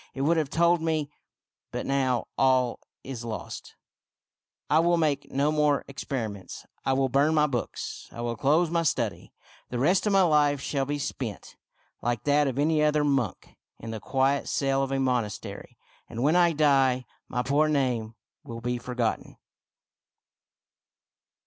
It would have told me — But now, all is lost, I will make no more experiments; I will burn my books; I will close my study. The rest of my life shall be spent, like that of any other monk, in the quiet cell of a monastery ; and when I die my poor name will be forgotten."